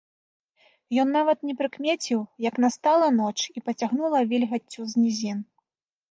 Ён нават не прыкмеціў, як настала ноч і пацягнула вільгаццю з нізін.